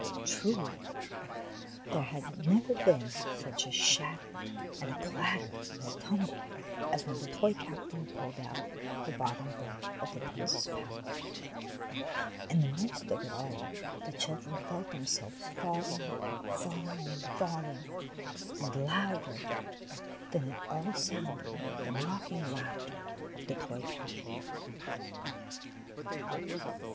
Truly, there had never been such a shatter and a clatter and a tumble as when the toy captain pulled out the bottom brick of the Prince's palace ! And in the midst of it all the children felt themselves falling and falling and falling. And louder than it all sounded the mocking laughter of the toy captain.